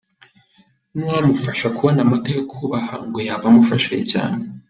Nuwamufasha kubona amata yo kubaha ngo yaba amufashije cyane.